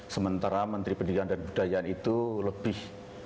sementara menteri pendidikan dan kebudayaan itu lebih